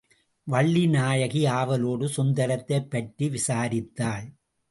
வள்ளிநாயகி ஆவலோடு சுந்தரத்தைப்பற்றி விசாரித்தாள்.